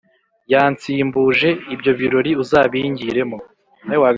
yansimbuje ibyo birori uzabingiremo